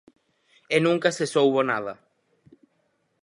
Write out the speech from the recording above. E nunca se soubo nada.